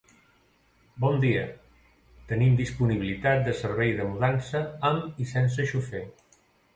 Bon dia, tenim disponibilitat de servei de mudança amb i sense xofer.